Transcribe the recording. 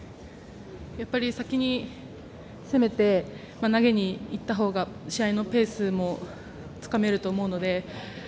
先に攻めて投げに行ったほうが試合のペースもつかめると思うので。